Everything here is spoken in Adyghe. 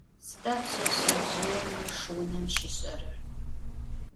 Sıda pşseşsezjıêm ışş vunem şiş'erer?